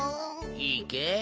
いいけ？